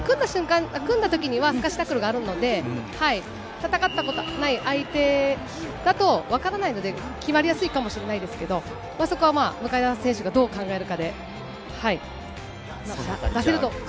組んだときにはすかしタックルがあるので、戦ったことのない相手だと分からないので、決まりやすいかもしれないですけど、そこは向田選手がどう考えるかで、出せると。